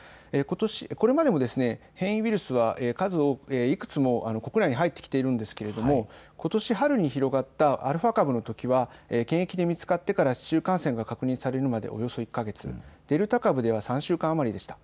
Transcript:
これまでも変異ウイルスは数多くいくつも国内に入ってきているんですけれども、ことし春に広がったアルファ株のときは検疫で見つかってから市中感染が確認されるまでおよそ１か月、デルタ株では３週間余りでした。